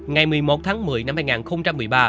ngày một mươi một tháng một mươi năm hai nghìn một mươi ba